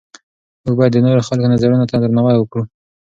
موږ باید د نورو خلکو نظرونو ته درناوی وکړو.